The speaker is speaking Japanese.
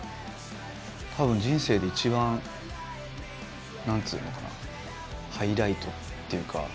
多分人生で一番何つうのかなハイライトっていうか。